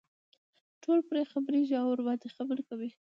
ټول پرې خبرېږي او ورباندې خبرې کوي.